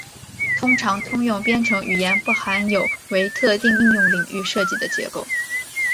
通常通用编程语言不含有为特定应用领域设计的结构。